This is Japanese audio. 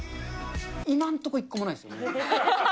今のところ、一個もないですね。